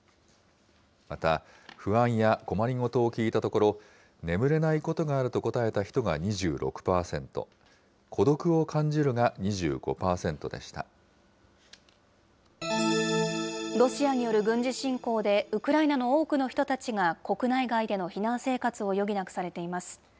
また、不安や困りごとを聞いたところ、眠れないことがあると答えた人が２６％、孤独を感じるが２５％でロシアによる軍事侵攻で、ウクライナの多くの人たちが国内外での避難生活を余儀なくされています。